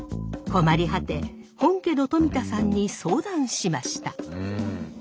困り果て本家の富田さんに相談しました。